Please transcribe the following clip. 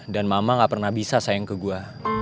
dan mama gak pernah bisa sayang ke gue